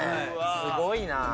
すごいなぁ。